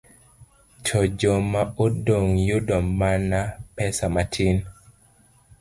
to joma odong ' yudo mana pesa matin.